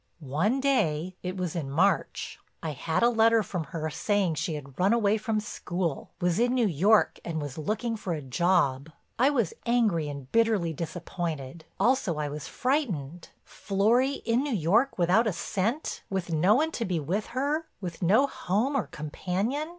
"One day—it was in March—I had a letter from her saying she had run away from school, was in New York and was looking for a job. I was angry and bitterly disappointed, also I was frightened—Florry in New York without a cent, with no one to be with her, with no home or companion.